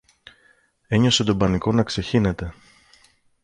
Ένιωσε τον πανικό να ξεχύνεται